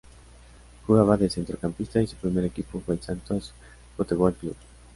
Jugaba de centrocampista y su primer equipo fue el Santos Futebol Clube.